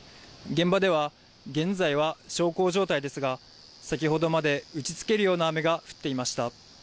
現場では、現在は小康状態ですが、先ほどまで打ちつけるような雨が降っていました。